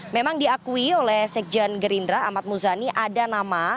memang diakui oleh sekjen gerindra ahmad muzani ada nama